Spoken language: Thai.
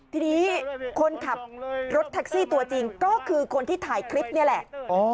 ทีนี้คนขับรถแท็กซี่ตัวจริงก็คือคนที่ถ่ายคลิปนี่แหละ